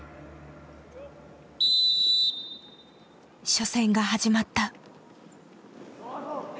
初戦が始まった。